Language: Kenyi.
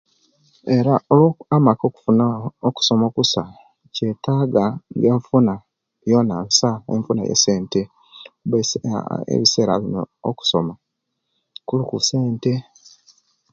Era amaka okufuna okusoma okusa kyetega nga enfuna yona nsa enfuna ye'sente ekisera bino okusoma kuliku sente